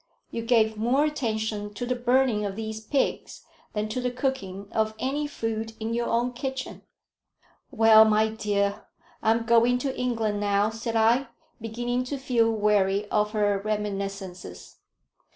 You gave more attention to the burning of these pigs than to the cooking of any food in your own kitchen." "Well, my dear, I'm going to England now," said I, beginning to feel weary of her reminiscences.